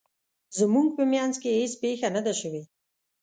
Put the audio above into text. زموږ په مینځ کې هیڅ پیښه نه ده شوې